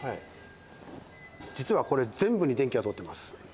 実はこれ全部に電気が通っています。